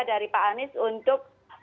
dari pak anies untuk